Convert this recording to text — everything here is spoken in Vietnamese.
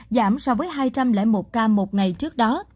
giảm so với hai trăm linh một ca một ngày trước đó